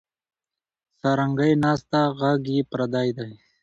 سارنګۍ نسته ږغ یې پردی دی